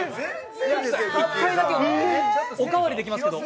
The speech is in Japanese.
１回だけおかわりできますけど。